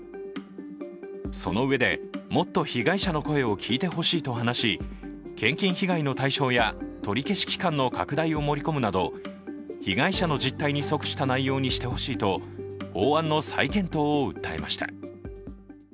そのうえでもっと被害者の声を聞いてほしいと話し献金被害の対象や取り消し期間の拡大を盛り込むなど被害者の実態に則した内容にしてほしいと法案の再検討を訴えました。